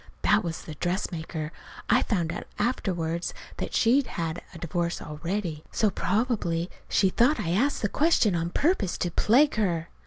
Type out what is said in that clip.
(That was the dressmaker. I found out afterward that she'd had a divorce already, so probably she thought I asked the question on purpose to plague her.)